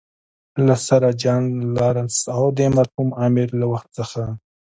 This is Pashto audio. له سر جان لارنس او د مرحوم امیر له وخت څخه.